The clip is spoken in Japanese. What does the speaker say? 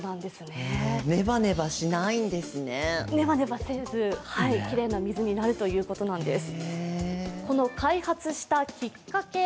ねばねばせず、きれいな水になるということなんです。